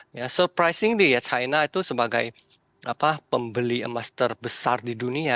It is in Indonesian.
menariknya china itu sebagai pembeli emas terbesar di dunia